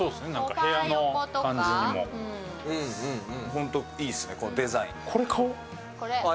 ホントいいっすね、このデザイン。